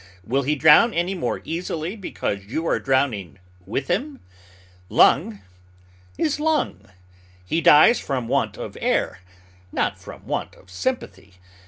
Will he drown any more easily because you are drowning with him? Lung is lung. He dies from want of air, not from want of sympathy.